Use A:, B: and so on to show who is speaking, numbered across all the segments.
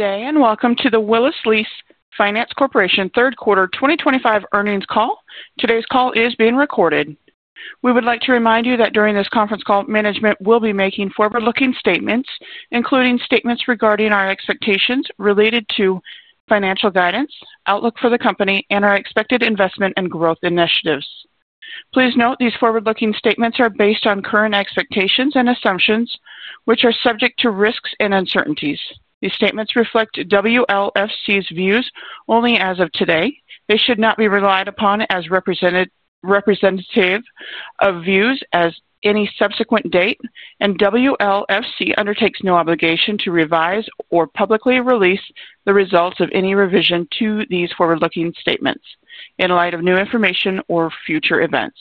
A: Good day and welcome to the Willis Lease Finance Corporation Third Quarter 2025 Earnings Call. Today's call is being recorded. We would like to remind you that during this conference call, management will be making forward-looking statements, including statements regarding our expectations related to financial guidance, outlook for the Company, and our expected investment and growth initiatives. Please note these forward-looking statements are based on current expectations and assumptions, which are subject to risks and uncertainties. These statements reflect WLFC's views only as of today. They should not be relied upon as representative of views as of any subsequent date, and WLFC undertakes no obligation to revise or publicly release the results of any revision to these forward-looking statements in light of new information or future events.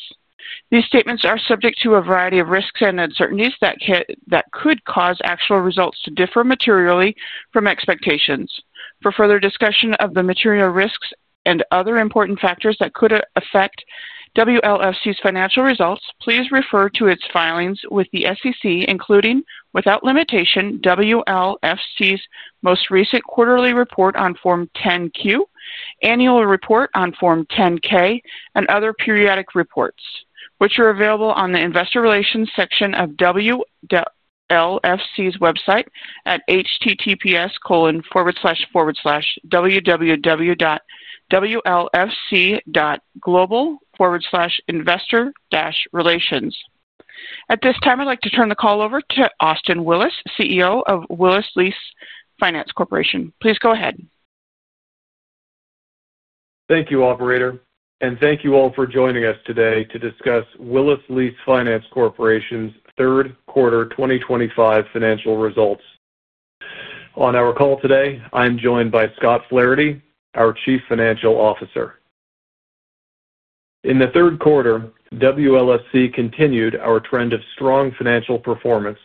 A: These statements are subject to a variety of risks and uncertainties that could cause actual results to differ materially from expectations. For further discussion of the material risks and other important factors that could affect WLFC's financial results, please refer to its filings with the SEC, including without limitation WLFC's most recent quarterly report on Form 10-Q, annual report on Form 10-K, and other periodic reports, which are available on the investor relations section of WLFC's website at https://www.wlfc.global/investor-relations. At this time, I'd like to turn the call over to Austin Willis, CEO of Willis Lease Finance Corporation. Please go ahead.
B: Thank you, Operator, and thank you all for joining us today to discuss Willis Lease Finance Corporation's third quarter 2025 financial results. On our call today, I'm joined by Scott Flaherty, our Chief Financial Officer. In the third quarter, WLFC continued our trend of strong financial performance.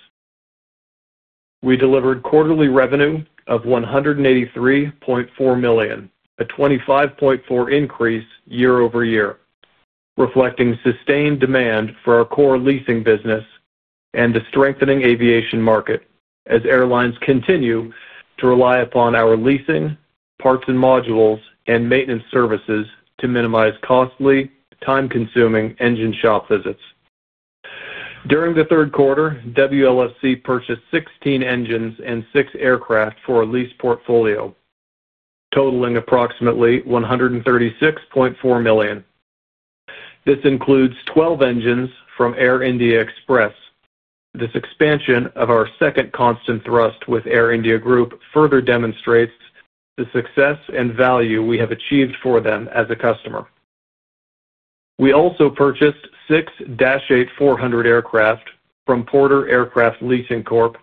B: We delivered quarterly revenue of $183.4 million, a 25.4% increase year-over-year, reflecting sustained demand for our core leasing business and the strengthening aviation market as airlines continue to rely upon our leasing, parts and modules, and maintenance services to minimize costly, time-consuming engine shop visits. During the third quarter, WLFC purchased 16 engines and six aircraft for a lease portfolio, totaling approximately $136.4 million. This includes 12 engines from Air India Express. This expansion of our second Constant Thrust with Air India Group further demonstrates the success and value we have achieved for them as a customer. We also purchased six Dash 8-400 aircraft from Porter Aircraft Leasing Corp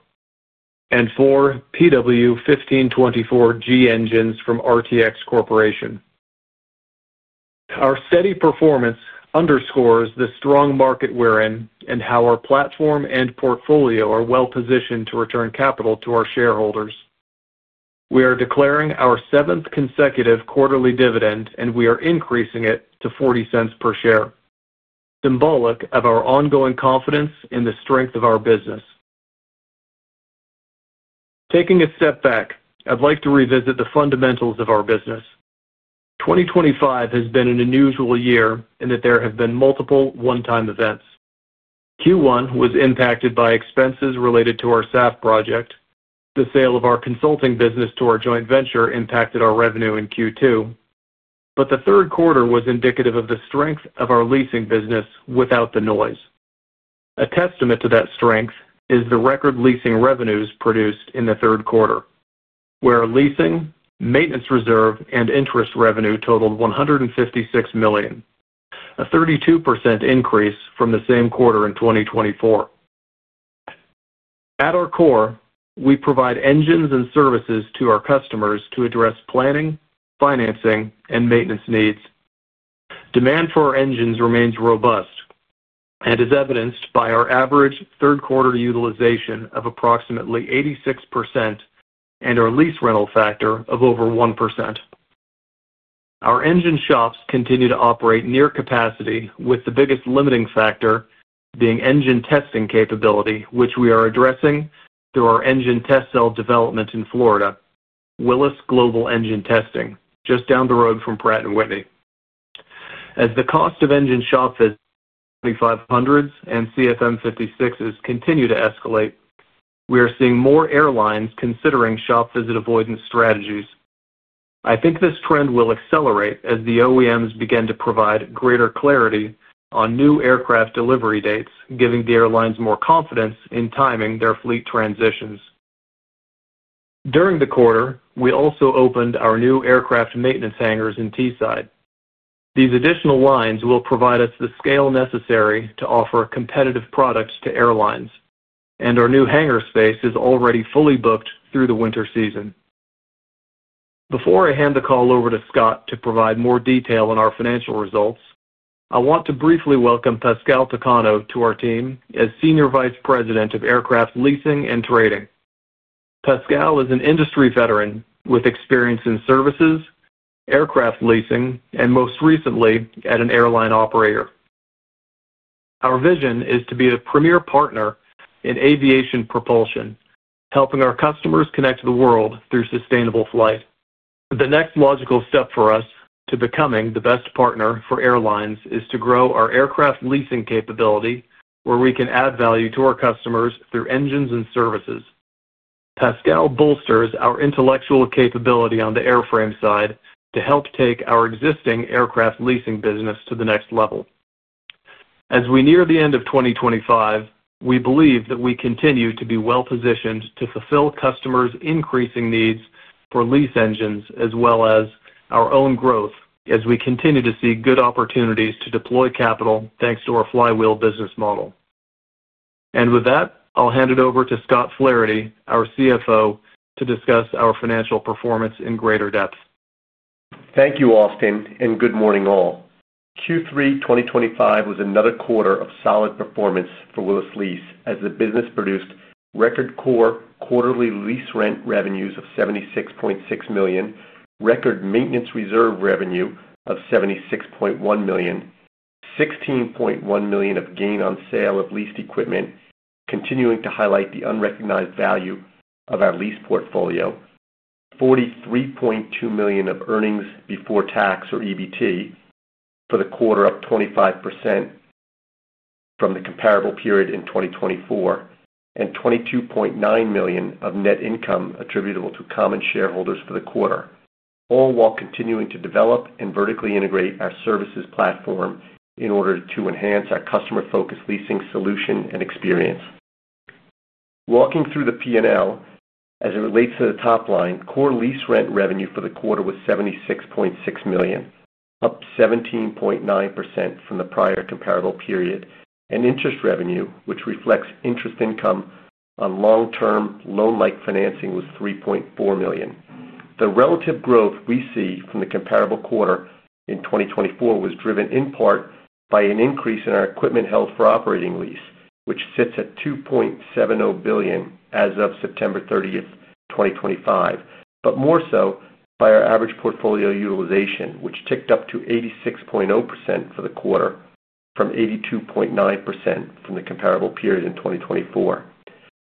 B: and four PW1524G engines from RTX Corporation. Our steady performance underscores the strong market we're in and how our platform and portfolio are well-positioned to return capital to our shareholders. We are declaring our seventh consecutive quarterly dividend, and we are increasing it to $0.40 per share, symbolic of our ongoing confidence in the strength of our business. Taking a step back, I'd like to revisit the fundamentals of our business. 2025 has been an unusual year in that there have been multiple one-time events. Q1 was impacted by expenses related to our SAF project. The sale of our consulting business to our joint venture impacted our revenue in Q2. But the third quarter was indicative of the strength of our leasing business without the noise. A testament to that strength is the record leasing revenues produced in the third quarter, where leasing, maintenance reserve, and interest revenue totaled $156 million, a 32% increase from the same quarter in 2024. At our core, we provide engines and services to our customers to address planning, financing, and maintenance needs. Demand for our engines remains robust and is evidenced by our average third-quarter utilization of approximately 86% and our lease rental factor of over 1%. Our engine shops continue to operate near capacity, with the biggest limiting factor being engine testing capability, which we are addressing through our engine test cell development in Florida, Willis Global Engine Testing, just down the road from Pratt & Whitney. As the cost of engine shop visits for V2500s and CFM56s continue to escalate, we are seeing more airlines considering shop visit avoidance strategies. I think this trend will accelerate as the OEMs begin to provide greater clarity on new aircraft delivery dates, giving the airlines more confidence in timing their fleet transitions. During the quarter, we also opened our new aircraft maintenance hangars in Teesside. These additional lines will provide us the scale necessary to offer competitive products to airlines, and our new hangar space is already fully booked through the winter season. Before I hand the call over to Scott to provide more detail on our financial results, I want to briefly welcome Pascal Picano to our team as Senior Vice President of Aircraft Leasing and Trading. Pascal is an industry veteran with experience in services, aircraft leasing, and most recently at an airline operator. Our vision is to be a premier partner in aviation propulsion, helping our customers connect to the world through sustainable flight. The next logical step for us to becoming the best partner for airlines is to grow our aircraft leasing capability, where we can add value to our customers through engines and services. Pascal bolsters our intellectual capability on the airframe side to help take our existing aircraft leasing business to the next level. As we near the end of 2025, we believe that we continue to be well-positioned to fulfill customers' increasing needs for lease engines as well as our own growth as we continue to see good opportunities to deploy capital thanks to our flywheel business model. And with that, I'll hand it over to Scott Flaherty, our CFO, to discuss our financial performance in greater depth.
C: Thank you, Austin, and good morning all. Q3 2025 was another quarter of solid performance for Willis Lease as the business produced record core quarterly lease rent revenues of $76.6 million, record maintenance reserve revenue of $76.1 million, $16.1 million of gain on sale of leased equipment, continuing to highlight the unrecognized value of our lease portfolio. $43.2 million of earnings before tax or EBT for the quarter, up 25% from the comparable period in 2024, and $22.9 million of net income attributable to common shareholders for the quarter, all while continuing to develop and vertically integrate our services platform in order to enhance our customer-focused leasing solution and experience. Walking through the P&L, as it relates to the top line, core lease rent revenue for the quarter was $76.6 million, up 17.9% from the prior comparable period, and interest revenue, which reflects interest income on long-term loan-like financing, was $3.4 million. The relative growth we see from the comparable quarter in 2024 was driven in part by an increase in our equipment held for operating lease, which sits at $2.70 billion as of September 30th, 2025, but more so by our average portfolio utilization, which ticked up to 86.0% for the quarter from 82.9% the comparable period in 2024.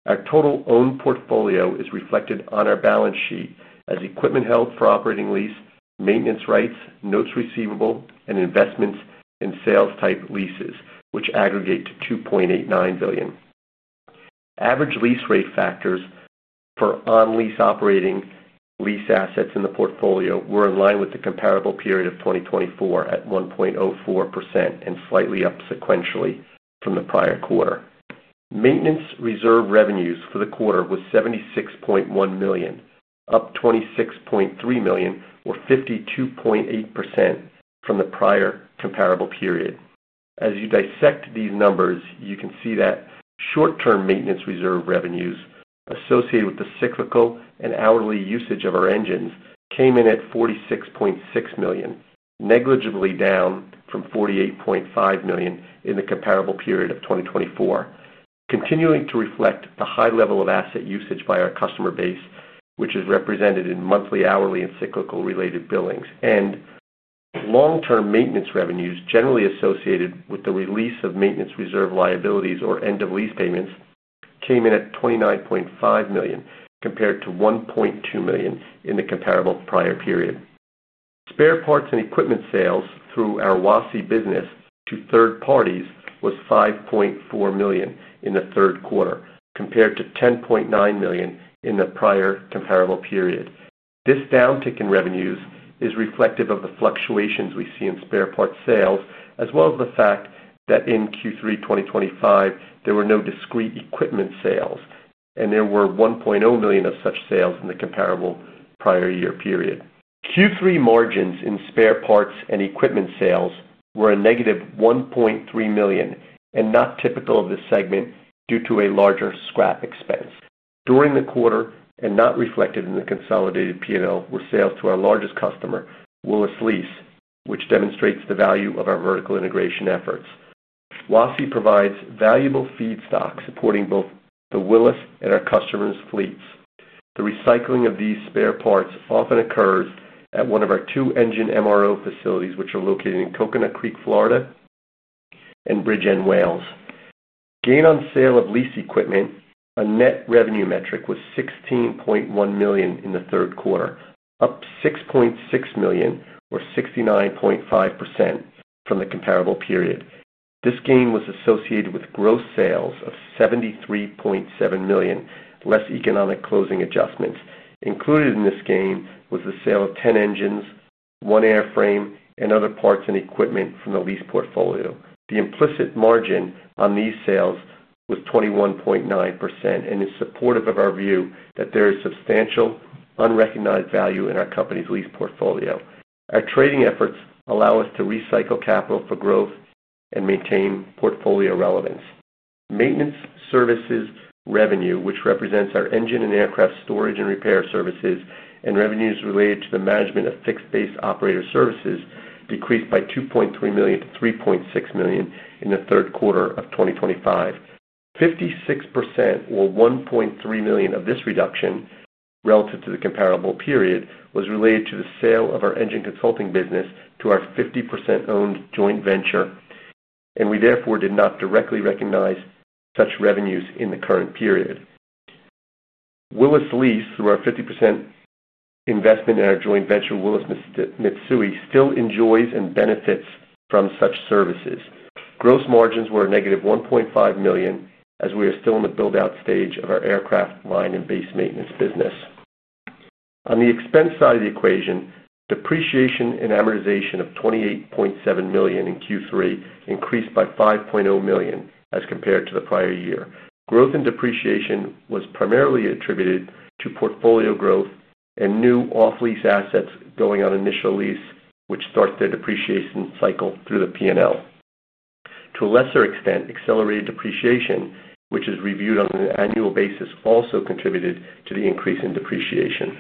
C: Our total owned portfolio is reflected on our balance sheet as equipment held for operating lease, maintenance rights, notes receivable, and investments in sales-type leases, which aggregate to $2.89 billion. Average lease rate factors for on-lease operating lease assets in the portfolio were in line with the comparable period of 2024 at 1.04% and slightly up sequentially from the prior quarter. Maintenance reserve revenues for the quarter were $76.1 million, up $26.3 million, or 52.8% from the prior comparable period. As you dissect these numbers, you can see that short-term maintenance reserve revenues associated with the cyclical and hourly usage of our engines came in at $46.6 million, negligibly down from $48.5 million in the comparable period of 2024, continuing to reflect the high level of asset usage by our customer base, which is represented in monthly, hourly, and cyclical-related billings. Long-term maintenance revenues generally associated with the release of maintenance reserve liabilities or end-of-lease payments came in at $29.5 million compared to $1.2 million in the comparable prior period. Spare parts and equipment sales through our WASI business to third parties was $5.4 million in the third quarter, compared to $10.9 million in the prior comparable period. This downtick revenues is reflective of the fluctuations we see in spare parts sales, as well as the fact that in Q3 2025, there were no discrete equipment sales, and there were $1.0 million of such sales in the comparable prior year period. Q3 margins in spare parts and equipment sales were a negative $1.3 million and not typical of this segment due to a larger scrap expense. During the quarter, and not reflected in the consolidated P&L, were sales to our largest customer, Willis Lease, which demonstrates the value of our vertical integration efforts. WASI provides valuable feedstock supporting both the Willis and our customers' fleets. The recycling of these spare parts often occurs at one of our two engine MRO facilities, which are located in Coconut Creek, Florida and Bridgeend Wales. Gain on sale of lease equipment, a net revenue metric, was $16.1 million in the third quarter, up $6.6 million, or 69.5% from the comparable period. This gain was associated with Gross sales of $73.7 million, less economic closing adjustments. Included in this gain was the sale of 10 engines, one airframe, and other parts and equipment from the lease portfolio. The implicit margin on these sales was 21.9% and is supportive of our view that there is substantial unrecognized value in our Company's lease portfolio. Our trading efforts allow us to recycle capital for growth and maintain portfolio relevance. Maintenance services revenue, which represents our engine and aircraft storage and repair services and revenues related to the management of fixed-base operator services, decreased by $2.3 million to $3.6 million in the third quarter of 2025. 56%, or $1.3 million of this reduction relative to the comparable period, was related to the sale of our engine consulting business to our 50% owned joint venture, and we therefore did not directly recognize such revenues in the current period. Willis Lease, through our 50% investment in our joint venture, Willis Mitsui, still enjoys and benefits from such services. Gross margins were a negative $1.5 million as we are still in the build-out stage of our aircraft line and base maintenance business. On the expense side of the equation, depreciation and amortization of $28.7 million in Q3 increased by $5.0 million as compared to the prior year. Growth and depreciation was primarily attributed to portfolio growth and new off-lease assets going on initial lease, which starts their depreciation cycle through the P&L. To a lesser extent, accelerated depreciation, which is reviewed on an annual basis, also contributed to the increase in depreciation.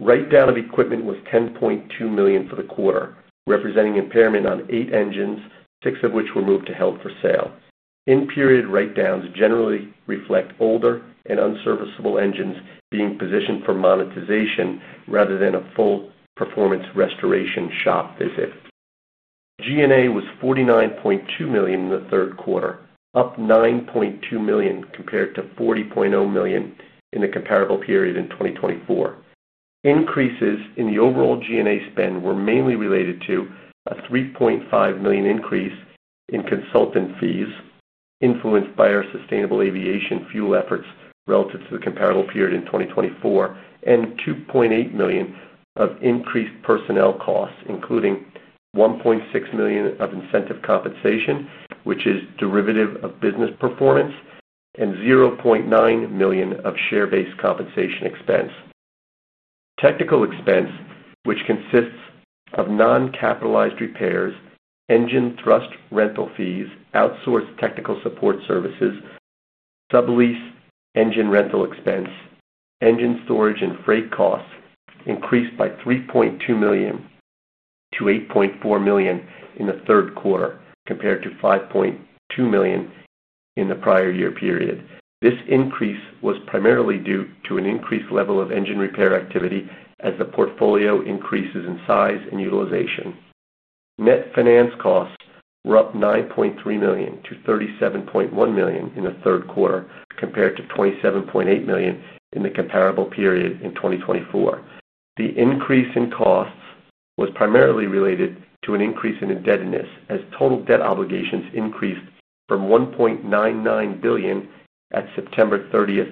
C: Write-down of equipment was $10.2 million for the quarter, representing impairment on 8 engines, 6 of which were moved to held for sale. In-period write-downs generally reflect older and unserviceable engines being positioned for monetization rather than a full performance restoration shop visit. G&A was $49.2 million in the third quarter, up $9.2 million compared to $40.0 million in the comparable period in 2024. Increases in the overall G&A spend were mainly related to a $3.5 million increase in consultant fees influenced by our sustainable aviation fuel efforts relative to the comparable period in 2024, and $2.8 million of increased personnel costs, including $1.6 million of incentive compensation, which is derivative of business performance, and $0.9 million of share-based compensation expense. Technical expense, which consists of Non-capitalized repairs, Engine Thrust Rental Fees, Outsourced Technical Support Services, Sub-lease Engine Rental Expense, Engine Storage and Freight Costs, increased by $3.2 million to $8.4 million in the third quarter compared to $5.2 million in the prior year period. This increase was primarily due to an increased level of engine repair activity as the portfolio increases in size and utilization. Net finance costs were up $9.3 million to $37.1 million in the third quarter compared to $27.8 million in the comparable period in 2024. The increase in costs was primarily related to an increase in indebtedness as total debt obligations increased from $1.99 billion at September 30th,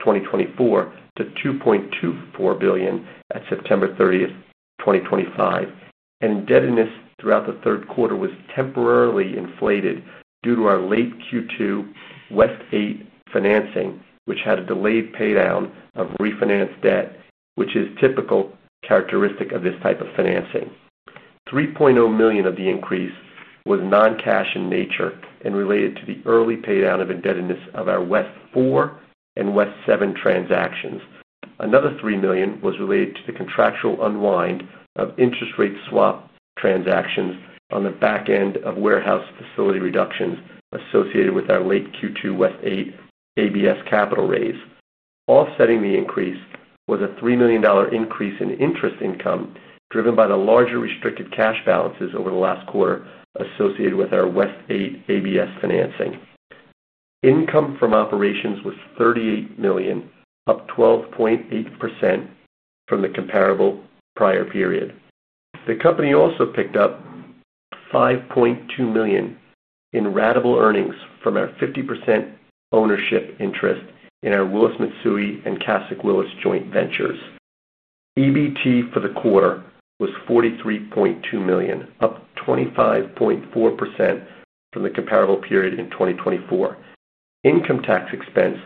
C: 2024, to $2.24 billion at September 30th, 2025. And indebtedness throughout the third quarter was temporarily inflated due to our late Q2 West 8 financing, which had a delayed paydown of refinanced debt, which is typical characteristic of this type of financing. $3.0 million of the increase was non-cash in nature and related to the early paydown of indebtedness of our West 4 and West 7 transactions. Another $3 million was related to the contractual unwind of interest rate swap transactions on the back end of warehouse facility reductions associated with our late Q2 West 8 ABS capital raise. Offsetting the increase was a $3 million increase in interest income driven by the larger restricted cash balances over the last quarter associated with our West 8 ABS financing. Income from operations was $38 million, up 12.8% from the comparable prior period. The Company also picked up $5.2 million in ratable earnings from our 50% ownership interest in our Willis Mitsui and Kokusai Willis joint ventures. EBT for the quarter was $43.2 million, up 25.4% from the comparable period in 2024. Income tax expense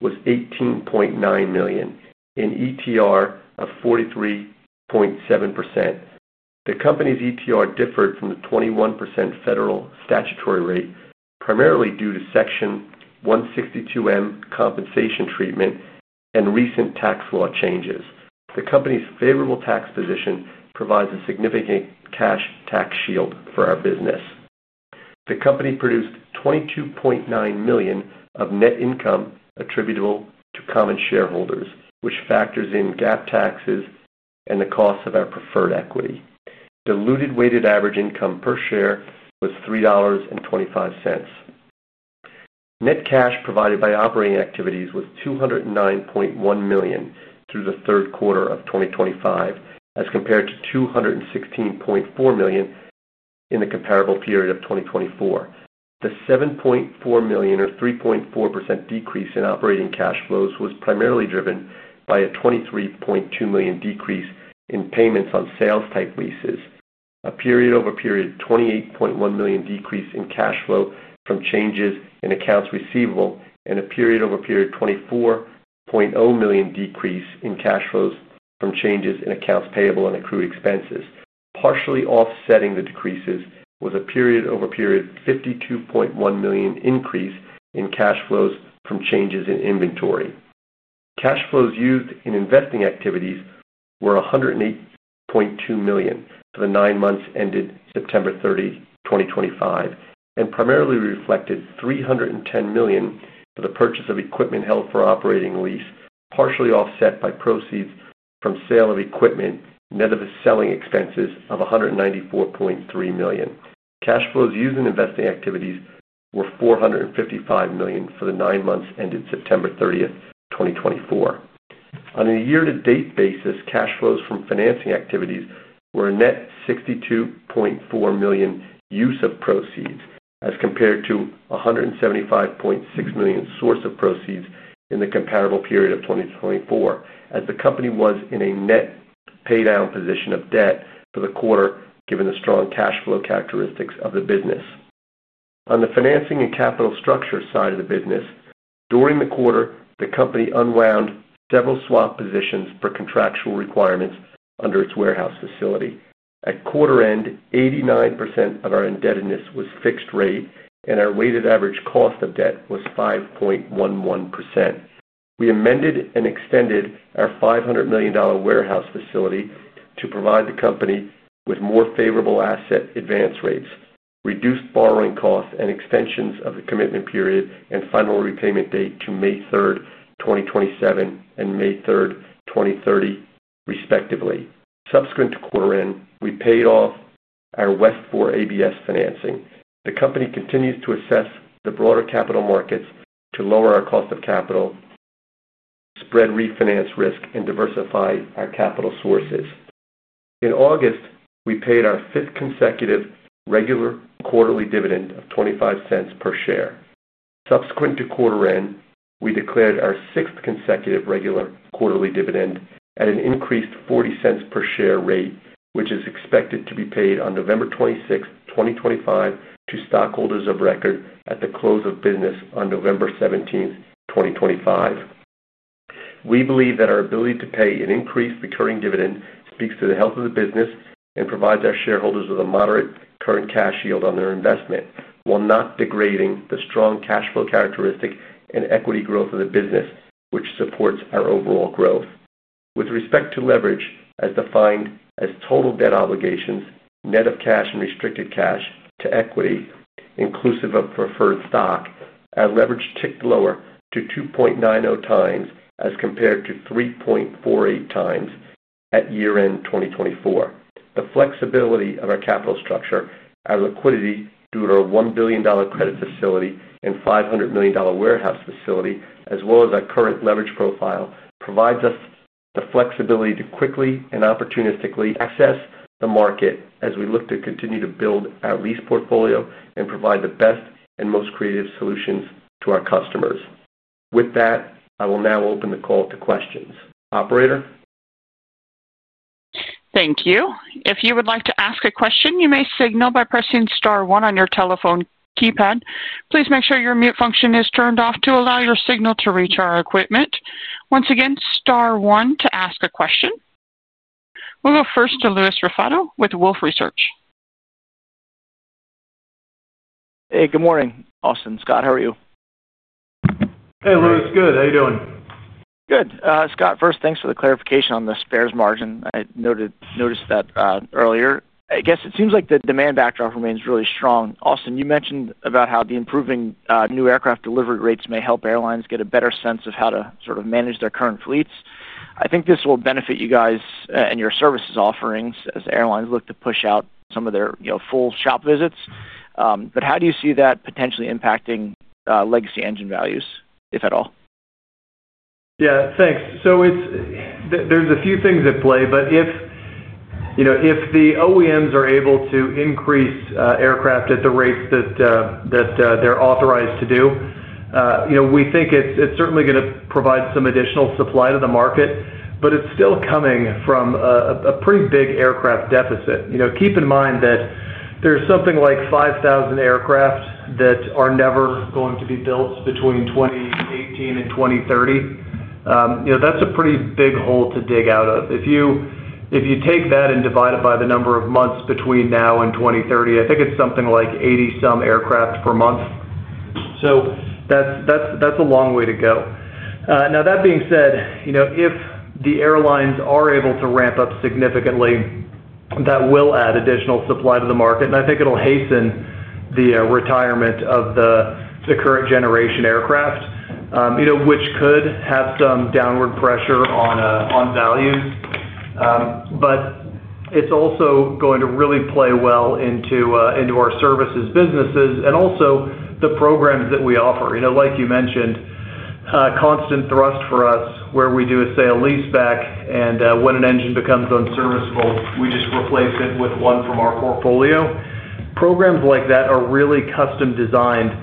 C: was $18.9 million in ETR of 43.7%. The Company's ETR differed from the 21% federal statutory rate, primarily due to Section 162(m) compensation treatment and recent tax law changes. The Company's favorable tax position provides a significant cash tax shield for our business. The Company produced $22.9 million of net income attributable to common shareholders, which factors in GAAP taxes and the cost of our preferred equity. Diluted weighted average income per share was $3.25. Net cash provided by operating activities was $209.1 million through the third quarter of 2025, as compared to $216.4 million in the comparable period of 2024. The $7.4 million, or 3.4%, decrease in operating Cash flows was primarily driven by a $23.2 million decrease in payments on sales-type leases, a period-over-period $28.1 million decrease in Cash flow from changes in accounts receivable, and a period-over-period $24.0 million decrease in Cash flows from changes in accounts payable and accrued expenses. Partially offsetting the decreases was a period-over-period $52.1 million increase in Cash flows from changes in inventory. Cash flows used in investing activities were $108.2 million for the nine months ended September 30, 2025, and primarily reflected $310 million for the purchase of equipment held for operating lease, partially offset by proceeds from sale of equipment, net of selling expenses of $194.3 million. Cash flows used in investing activities were $455 million for the nine months ended September 30th, 2024. On a year-to-date basis, Cash flows from financing activities were a net $62.4 million use of proceeds as compared to $175.6 million source of proceeds in the comparable period of 2024, as the Company was in a net paydown position of debt for the quarter given the strong Cash flow characteristics of the business. On the financing and capital structure side of the business, during the quarter, the Company unwound several swap positions for contractual requirements under its warehouse facility. At quarter end, 89% of our indebtedness was fixed rate, and our weighted average cost of debt was 5.11%. We amended and extended our $500 million warehouse facility to provide the Company with more favorable asset advance rates, reduced borrowing costs, and extensions of the commitment period and final repayment date to May 3rd, 2027, and May 3rd, 2030, respectively. Subsequent to quarter end, we paid off our West 4 ABS financing. The Company continues to assess the broader capital markets to lower our cost of capital, spread refinance risk, and diversify our capital sources. In August, we paid our fifth consecutive regular quarterly dividend of $0.25 per share. Subsequent to quarter end, we declared our sixth consecutive regular quarterly dividend at an increased $0.40 per share rate, which is expected to be paid on November 26th, 2025, to stockholders of record at the close of business on November 17th, 2025. We believe that our ability to pay an increased recurring dividend speaks to the health of the business and provides our shareholders with a moderate current cash yield on their investment, while not degrading the strong Cash flow characteristic and equity growth of the business, which supports our overall growth. With respect to leverage, as defined as Total debt obligations, Net of cash and Restricted cash to equity, inclusive of preferred stock, our leverage ticked lower to 2.90x as compared to 3.48x at year-end 2024. The flexibility of our capital structure, our liquidity due to our $1 billion credit facility and $500 million warehouse facility, as well as our current leverage profile, provides us the flexibility to quickly and opportunistically access the market as we look to continue to build our lease portfolio and provide the best and most creative solutions to our customers. With that, I will now open the call to questions. Operator.
A: Thank you. If you would like to ask a question, you may signal by pressing star one on your telephone keypad. Please make sure your mute function is turned off to allow your signal to reach our equipment. Once again, star one to ask a question. We'll go first to Louis Raffetto with Wolfe Research.
D: Hey, good morning. Austin, Scott, how are you?
C: Hey, Louis, good. How are you doing?
D: Good. Scott, first, thanks for the clarification on the spares margin. I noticed that earlier. I guess it seems like the demand backdrop remains really strong. Austin, you mentioned about how the improving new aircraft delivery rates may help airlines get a better sense of how to sort of manage their current fleets. I think this will benefit you guys and your services offerings as airlines look to push out some of their full shop visits. But how do you see that potentially impacting legacy engine values, if at all?
C: Yeah, thanks. So there's a few things at play, but if the OEMs are able to increase aircraft at the rates that they're authorized to do. We think it's certainly going to provide some additional supply to the market, but it's still coming from a pretty big aircraft deficit. Keep in mind that there's something like 5,000 aircraft that are never going to be built between 2018 and 2030. That's a pretty big hole to dig out of. If you take that and divide it by the number of months between now and 2030, I think it's something like 80-some aircraft per month. So that's a long way to go. Now, that being said, if the airlines are able to ramp up significantly, that will add additional supply to the market, and I think it'll hasten the retirement of the current generation aircraft, which could have some downward pressure on values. But it's also going to really play well into our services businesses and also the programs that we offer. Like you mentioned. Constant Thrust for us, where we do a sale lease back, and when an engine becomes unserviceable, we just replace it with one from our portfolio. Programs like that are really custom designed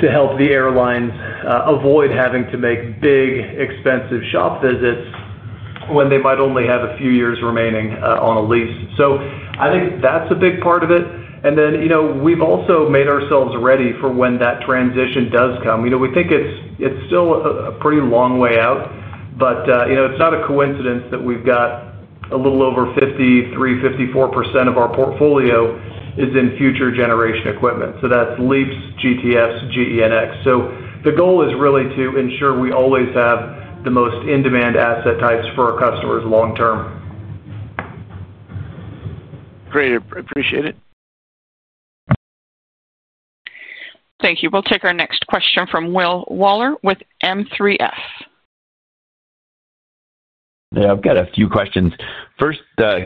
C: to help the airlines avoid having to make big, expensive shop visits when they might only have a few years remaining on a lease. So I think that's a big part of it. And then we've also made ourselves ready for when that transition does come. We think it's still a pretty long way out, but it's not a coincidence that we've got a little over 53-54% of our portfolio is in future generation equipment. So that's LEAPs, GTFs, GEnx. So the goal is really to ensure we always have the most in-demand asset types for our customers long-term.
D: Great. Appreciate it.
A: Thank you. We'll take our next question from Will Waller from M3F.
E: Yeah, I've got a few questions. First,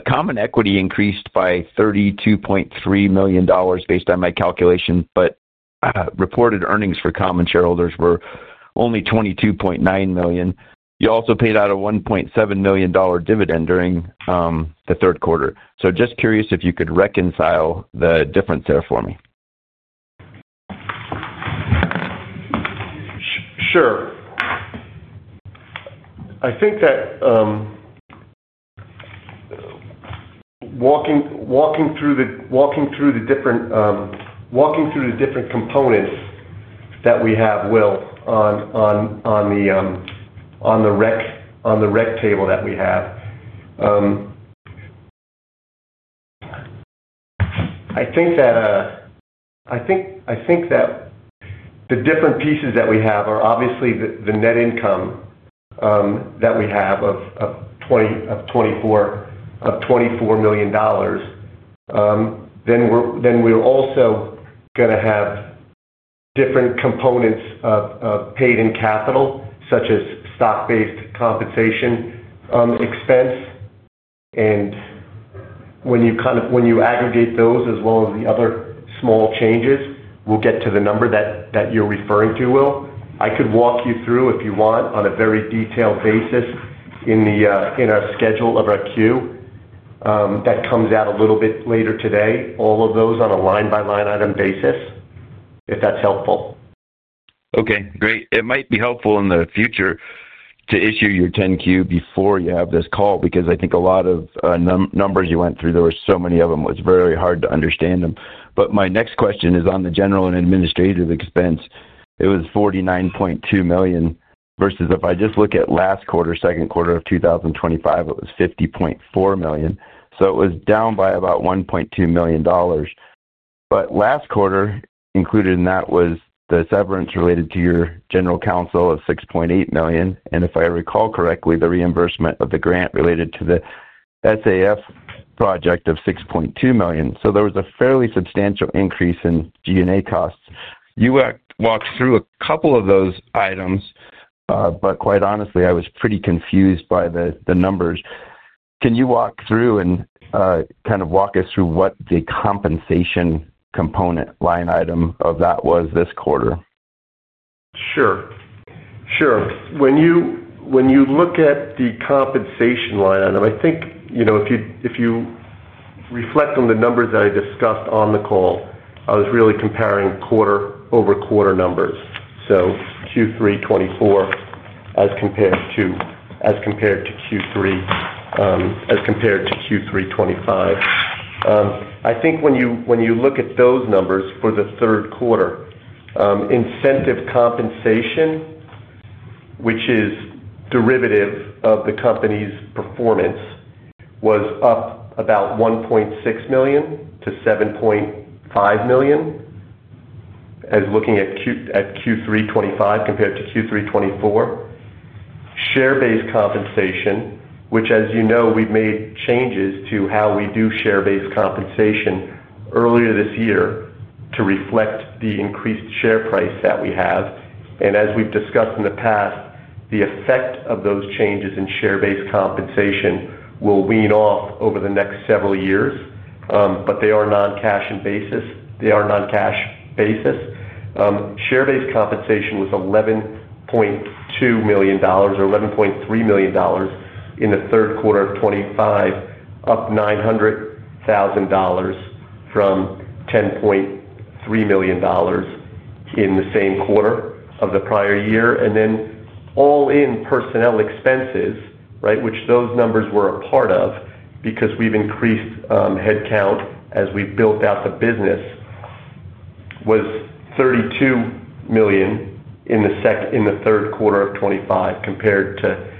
E: common equity increased by $32.3 million based on my calculation, but reported earnings for common shareholders were only $22.9 million. You also paid out a $1.7 million dividend during the third quarter. So just curious if you could reconcile the difference there for me.
C: Sure. I think that walking through the different components that we have, Will, on the rec table that we have. I think that the different pieces that we have are obviously the net income that we have of $24 million. Then we're also going to have different components of paid-in capital, such as stock-based compensation expense. And when you aggregate those as well as the other small changes, we'll get to the number that you're referring to, Will. I could walk you through, if you want, on a very detailed basis in our schedule of our 10-Q that comes out a little bit later today, all of those on a line-by-line item basis, if that's helpful.
E: Okay. Great. It might be helpful in the future to issue your 10-Q before you have this call because I think a lot of numbers you went through, there were so many of them, it was very hard to understand them. But my next question is on the general and administrative expense. It was $49.2 million versus if I just look at last quarter, second quarter of 2025, it was $50.4 million. So it was down by about $1.2 million. But last quarter included in that was the severance related to your general counsel of $6.8 million, and if I recall correctly, the reimbursement of the grant related to the SAF project of $6.2 million. So there was a fairly substantial increase in G&A costs. You walked through a couple of those items, but quite honestly, I was pretty confused by the numbers. Can you walk through and kind of walk us through what the compensation component line item of that was this quarter?
C: Sure. Sure. When you look at the compensation line item, I think if you reflect on the numbers that I discussed on the call, I was really comparing quarter-over-quarter numbers. So Q3 2024 as compared to Q3 2025. I think when you look at those numbers for the third quarter, incentive compensation, which is derivative of the Company's performance, was up about $1.6 million to $7.5 million as looking at Q3 2025 compared to Q3 2024. Share-based compensation, which, as you know, we've made changes to how we do share-based compensation earlier this year to reflect the increased share price that we have. And as we've discussed in the past, the effect of those changes in share-based compensation will wean off over the next several years, but they are non-cash in basis. Share-based compensation was $11.2 million or $11.3 million in the third quarter of 2025, up $900,000 from $10.3 million in the same quarter of the prior year. And then all-in personnel expenses, right, which those numbers were a part of because we've increased headcount as we've built out the business, was $32 million in the third quarter of 2025 compared to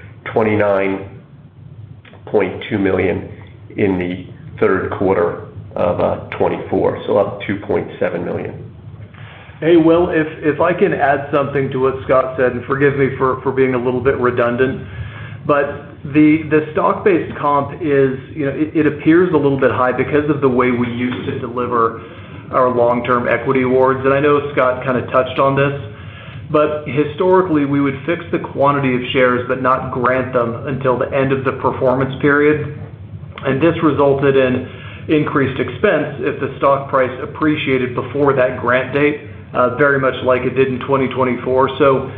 C: $29.2 million in the third quarter of 2024, so up $2.7 million.
B: Hey, Will, if I can add something to what Scott said, and forgive me for being a little bit redundant, but the stock-based comp, it appears a little bit high because of the way we used to deliver our long-term equity awards. And I know Scott kind of touched on this, but historically, we would fix the quantity of shares but not grant them until the end of the performance period. And this resulted in increased expense if the stock price appreciated before that grant date, very much like it did in 2024. So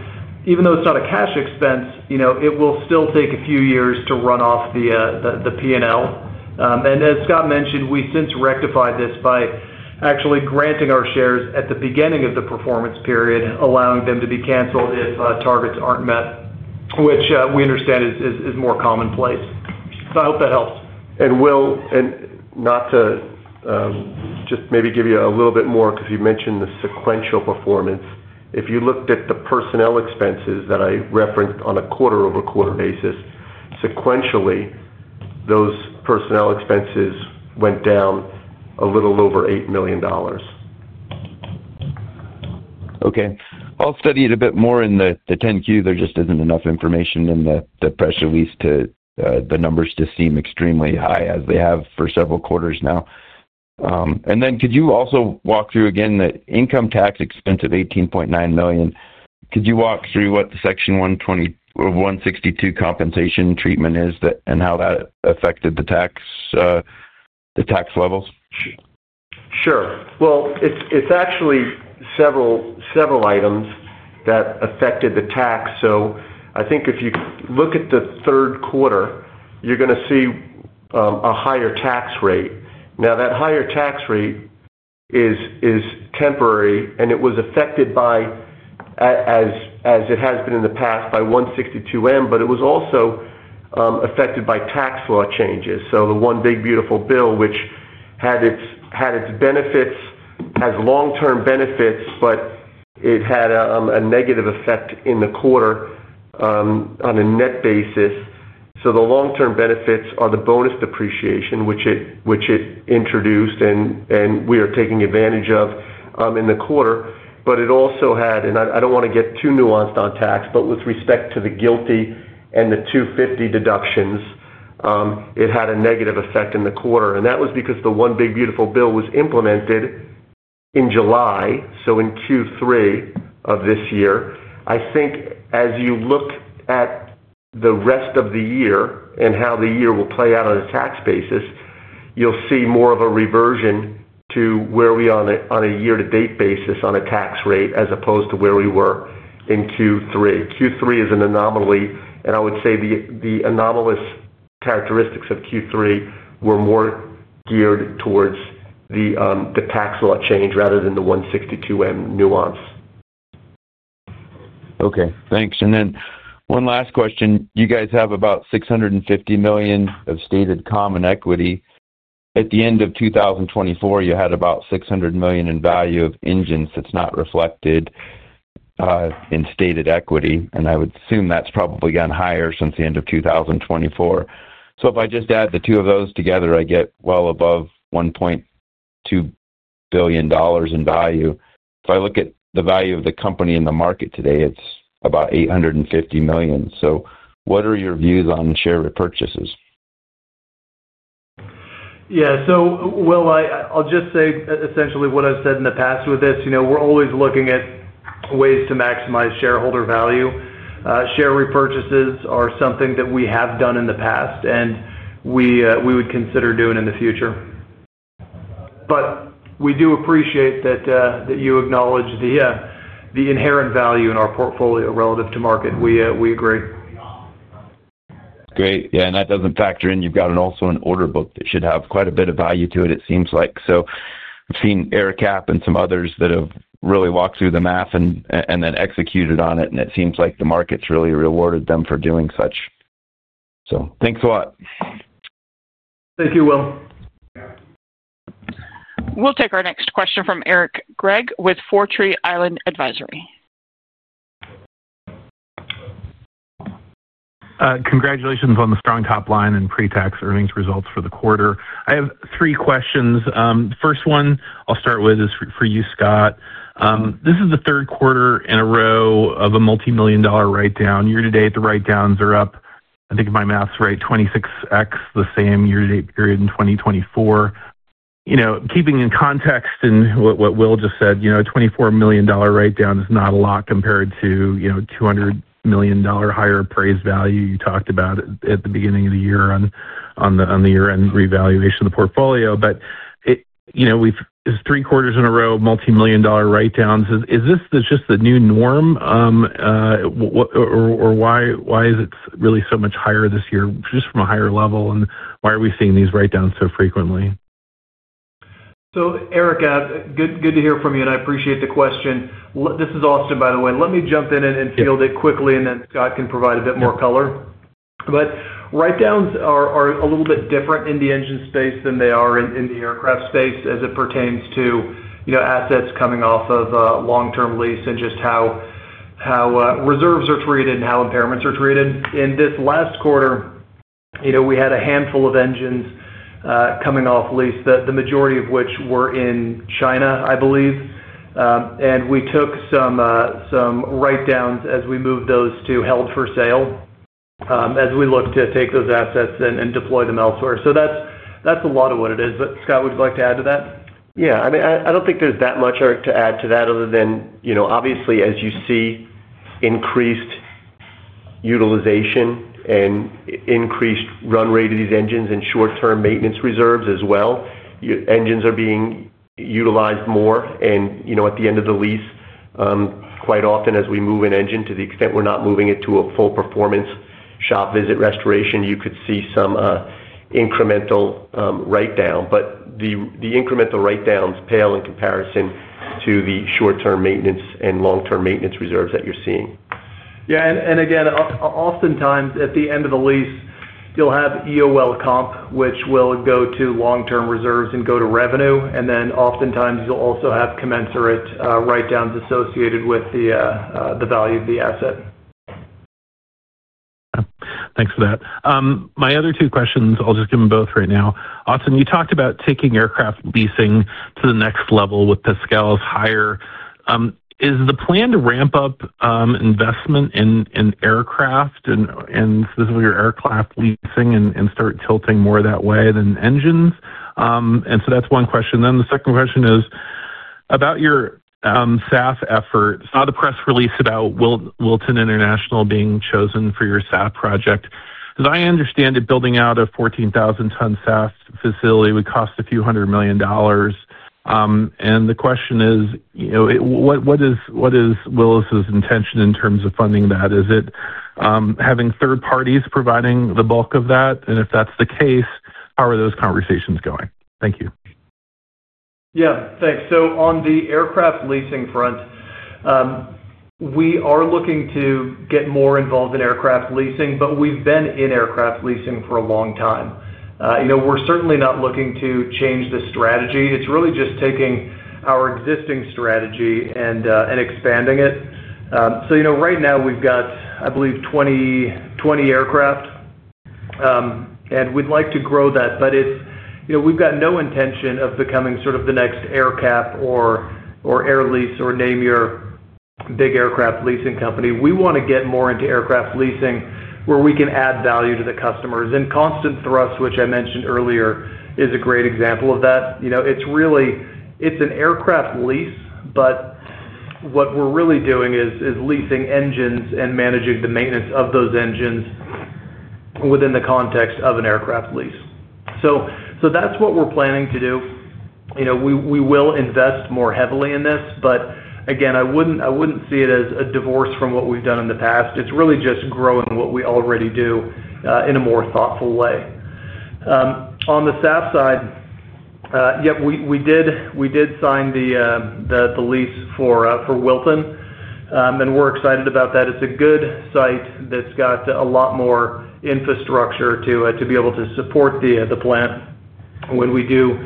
B: even though it's not a cash expense, it will still take a few years to run off the P&L. And as Scott mentioned, we since rectified this by actually granting our shares at the beginning of the performance period, allowing them to be canceled if targets aren't met, which we understand is more commonplace. So I hope that helps.
C: Will, not to. Just maybe give you a little bit more because you mentioned the sequential performance. If you looked at the personnel expenses that I referenced on a quarter-over-quarter basis, sequentially, those personnel expenses went down a little over $8 million.
E: Okay. I'll study it a bit more in the 10-Q. There just isn't enough information in the press release for the numbers to seem extremely high as they have for several quarters now. Then could you also walk through again the income tax expense of $18.9 million? Could you walk through what the Section 162 compensation treatment is and how that affected the tax levels?
C: Sure. Well, it's actually several items that affected the tax. So I think if you look at the third quarter, you're going to see a higher tax rate. Now, that higher tax rate is temporary, and it was affected by, as it has been in the past, by 162(m), but it was also affected by tax law changes. So the one big, beautiful bill, which had its benefits, has long-term benefits, but it had a negative effect in the quarter on a net basis. So the long-term benefits are the bonus depreciation, which it introduced, and we are taking advantage of in the quarter. But it also had, and I don't want to get too nuanced on tax, but with respect to the GILTI and the 250 deductions, it had a negative effect in the quarter. And that was because the one big, beautiful bill was implemented in July, so in Q3 of this year. I think as you look at the rest of the year and how the year will play out on a tax basis, you'll see more of a reversion to where we are on a year-to-date basis on a tax rate as opposed to where we were in Q3. Q3 is an anomaly, and I would say the anomalous characteristics of Q3 were more geared towards the tax law change rather than the 162(m) nuance.
E: Okay. Thanks. And then one last question. You guys have about $650 million of stated common equity. At the end of 2024, you had about $600 million in value of engines that's not reflected in stated equity. And I would assume that's probably gone higher since the end of 2024. So if I just add the two of those together, I get well above $1.2 billion in value. If I look at the value of the Company in the market today, it's about $850 million. So what are your views on share repurchases?
B: Yeah. So, Will, I'll just say essentially what I've said in the past with this. We're always looking at ways to maximize shareholder value. Share repurchases are something that we have done in the past, and we would consider doing in the future. But we do appreciate that you acknowledge the inherent value in our portfolio relative to market. We agree.
E: Great. Yeah. And that doesn't factor in. You've got also an order book that should have quite a bit of value to it, it seems like. So I've seen Eric Gregg and some others that have really walked through the math and then executed on it, and it seems like the market's really rewarded them for doing such. So thanks a lot.
B: Thank you, Will.
A: We'll take our next question from Eric Gregg with Four Tree Island Advisory.
F: Congratulations on the strong top line and pre-tax earnings results for the quarter. I have three questions. The first one I'll start with is for you, Scott. This is the third quarter in a row of a multi-million dollar write-down. Year-to-date, the write-downs are up, I think if my math's right, 26x the same year-to-date period in 2024. Keeping in context and what Will just said, a $24 million write-down is not a lot compared to a $200 million higher appraised value you talked about at the beginning of the year on the year-end revaluation of the portfolio. But. It's three quarters in a row, multi-million dollar write-downs. Is this just the new norm? Or why is it really so much higher this year just from a higher level, and why are we seeing these write-downs so frequently?
B: So, Eric, good to hear from you, and I appreciate the question. This is Austin, by the way. Let me jump in and field it quickly, and then Scott can provide a bit more color. But write-downs are a little bit different in the engine space than they are in the aircraft space as it pertains to assets coming off of long-term lease and just how reserves are treated and how impairments are treated. In this last quarter, we had a handful of engines coming off lease, the majority of which were in China, I believe. And we took some write-downs as we moved those to held for sale as we looked to take those assets and deploy them elsewhere. So that's a lot of what it is. But Scott, would you like to add to that?
C: Yeah. I mean, I don't think there's that much, Eric, to add to that other than, obviously, as you see increased utilization and increased run rate of these engines and short-term maintenance reserves as well. Engines are being utilized more, and at the end of the lease, quite often, as we move an engine, to the extent we're not moving it to a full performance shop visit restoration, you could see some incremental write-down, but the incremental write-downs pale in comparison to the short-term maintenance and long-term maintenance reserves that you're seeing.
B: Yeah. And again, oftentimes, at the end of the lease, you'll have EOL comp, which will go to long-term reserves and go to revenue. And then oftentimes, you'll also have commensurate write-downs associated with the value of the asset.
F: Thanks for that. My other two questions, I'll just give them both right now. Austin, you talked about taking aircraft leasing to the next level with Pascal's hire. Is the plan to ramp up investment in aircraft and specifically your aircraft leasing and start tilting more that way than engines? And so that's one question. Then the second question is about your SAF efforts. I saw the press release about Wilton International being chosen for your SAF project. As I understand it, building out a 14,000-ton SAF facility would cost a few hundred million dollars. And the question is, what is Willis's intention in terms of funding that? Is it having third parties providing the bulk of that? And if that's the case, how are those conversations going? Thank you.
C: Yeah. Thanks. So on the aircraft leasing front, we are looking to get more involved in aircraft leasing, but we've been in aircraft leasing for a long time. We're certainly not looking to change the strategy. It's really just taking our existing strategy and expanding it. So right now, we've got, I believe, 20 aircraft, and we'd like to grow that. But we've got no intention of becoming sort of the next AerCap or Air Lease or name your big aircraft leasing Company. We want to get more into aircraft leasing where we can add value to the customers, and Constant Thrust, which I mentioned earlier, is a great example of that. It's an aircraft lease, but what we're really doing is leasing engines and managing the maintenance of those engines within the context of an aircraft lease. So that's what we're planning to do. We will invest more heavily in this, but again, I wouldn't see it as a divorce from what we've done in the past. It's really just growing what we already do in a more thoughtful way. On the SAF side, yep, we did sign the lease for Wilton, and we're excited about that. It's a good site that's got a lot more infrastructure to be able to support the plant when we do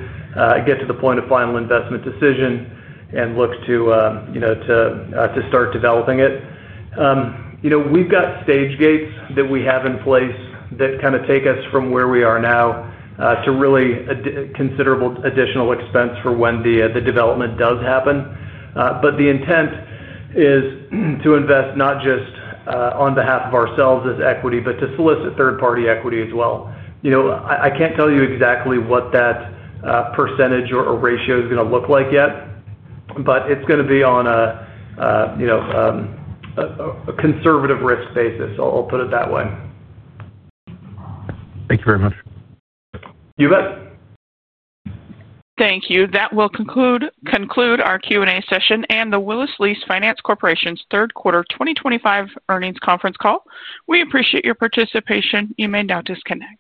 C: get to the point of final investment decision and look to start developing it. We've got stage gates that we have in place that kind of take us from where we are now to really a considerable additional expense for when the development does happen, but the intent is to invest not just on behalf of ourselves as equity, but to solicit third-party equity as well. I can't tell you exactly what that percentage or ratio is going to look like yet, but it's going to be on a conservative risk basis. I'll put it that way.
F: Thank you very much.
C: You bet.
B: Thank you. That will conclude our Q&A session and the Willis Lease Finance Corporation's third quarter 2025 earnings conference call. We appreciate your participation. You may now disconnect.